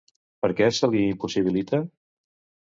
Però què se li impossibilita?